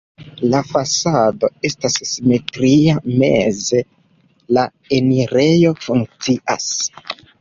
La fasado estas simetria, meze la enirejo funkcias.